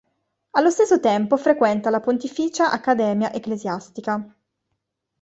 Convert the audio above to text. Allo stesso tempo frequenta la Pontificia accademia ecclesiastica.